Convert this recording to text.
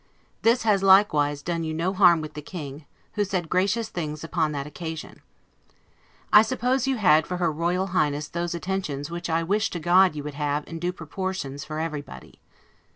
This has likewise done you no harm with the King, who said gracious things upon that occasion. I suppose you had for her Royal Highness those attentions which I wish to God you would have, in due proportions, for everybody.